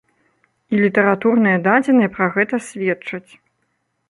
І літаратурныя дадзеныя пра гэта сведчаць.